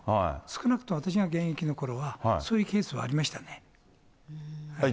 少なくとも私が現役のころは、そういうケースはありましたね。